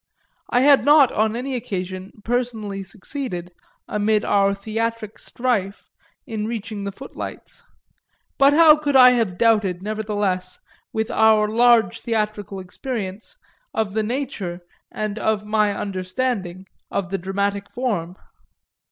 I had not on any occasion personally succeeded, amid our theatric strife, in reaching the footlights; but how could I have doubted, nevertheless, with our large theatrical experience, of the nature, and of my understanding, of the dramatic form?